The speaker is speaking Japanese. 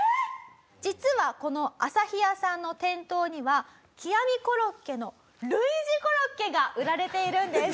実はこの旭屋さんの店頭には極みコロッケの類似コロッケが売られているんです！